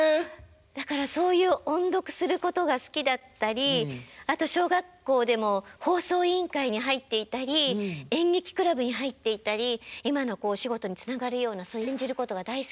だからそういう音読することが好きだったりあと小学校でも放送委員会に入っていたり演劇クラブに入っていたり今のお仕事につながるような演じることが大好きだった。